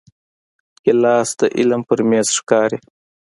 ګیلاس د علم پر میز ښکاري.